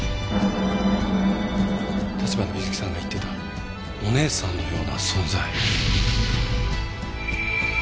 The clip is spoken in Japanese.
橘水樹さんが言っていた「お姉さんのような存在」。